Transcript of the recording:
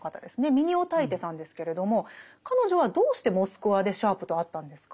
ミニオタイテさんですけれども彼女はどうしてモスクワでシャープと会ったんですか？